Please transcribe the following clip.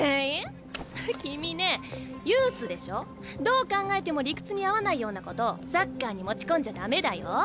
どう考えても理屈に合わないようなことサッカーに持ち込んじゃ駄目だよ。